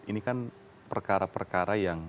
ini kan perkara perkara yang